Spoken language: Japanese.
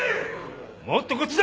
もっとこっちだ！